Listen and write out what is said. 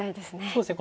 そうですね